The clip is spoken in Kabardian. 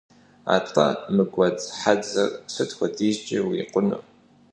АтӀэ, мы гуэдз хьэдзэр сыт хуэдизкӀэ урикъуну?